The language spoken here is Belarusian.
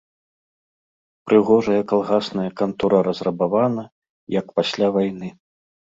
Прыгожая калгасная кантора разрабавана, як пасля вайны.